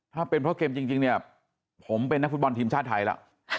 ถ้าเป็นเพราะเกมจริงเนี่ยผมเป็นนักฟุตบอลทีมชาติไทยแล้ว